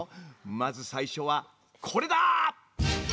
まず最初はこれだ！